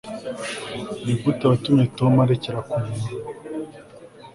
nigute watumye tom areka kunywa